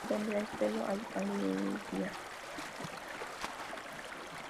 Donde hay pelo, hay alegría